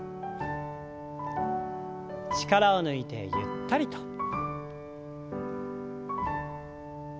力を抜いてゆったりと。